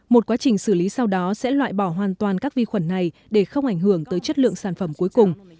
một quá trình xử lý sau đó sẽ loại bỏ hoàn toàn các vi khuẩn này để không ảnh hưởng tới chất lượng sản phẩm cuối cùng